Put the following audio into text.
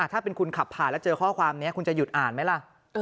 ถ้าเป็นคุณขับผ่านแล้วเจอข้อความนี้คุณจะหยุดอ่านไหมล่ะ